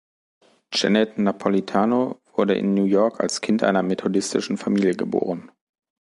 Janet Napolitano wurde in New York als Kind einer methodistischen Familie geboren.